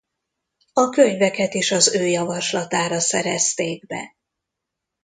A könyveket is az ő javaslatára szerezték be.